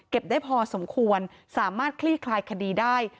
ได้พอสมควรสามารถคลี่คลายคดีได้